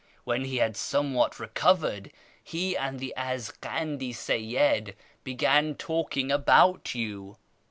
When he had somewhat recovered, he and the Azgiiaudf Seyyid began talking about you.